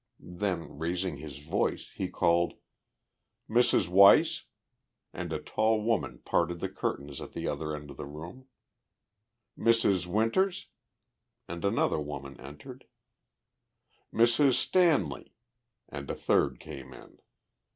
Then, raising his voice, he called, "Mrs. Weiss!" and a tall woman parted the curtains at the other end of the room; "Mrs. Winters!" and another woman entered; "Mrs. Stanley!" and a third came in.